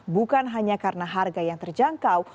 bukan hanya karena harga yang terjangkau